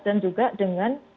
dan juga dengan